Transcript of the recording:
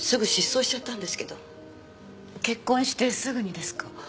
結婚してすぐにですか？